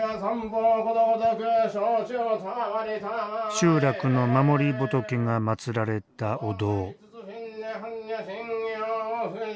集落の守り仏がまつられたお堂。